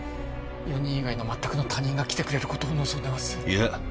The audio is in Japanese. ４人以外の全くの他人が来てくれることを望んでますいや